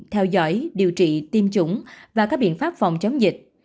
theo dõi điều trị tiêm chủng và các biện pháp phòng chống dịch